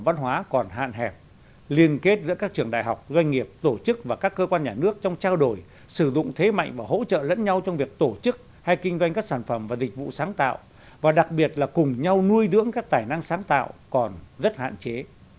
văn hóa còn hạn hẹp liên kết giữa các trường đại học doanh nghiệp tổ chức và các cơ quan nhà nước trong trao đổi sử dụng thế mạnh và hỗ trợ lẫn nhau trong việc tổ chức hay kinh doanh các sản phẩm và dịch vụ sáng tạo và đặc biệt là cùng nhau nuôi dưỡng các tài năng sáng tạo còn rất hạn chế